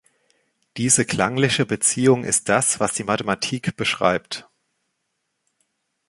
Diese klangliche Beziehung ist das, was die Mathematik beschreibt.